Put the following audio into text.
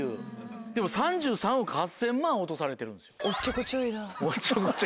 でも３３億８０００万落とされてるんですよ。